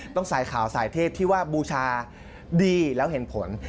สายข่าวสายเทศที่ว่าบูชาดีแล้วเห็นผล